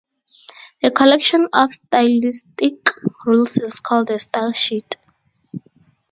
A collection of stylistic rules is called a style sheet.